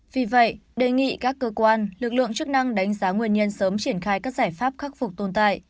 vì vậy đề nghị các cơ quan lực lượng chức năng đánh giá nguyên nhân sớm triển khai các giải pháp khắc phục tồn tại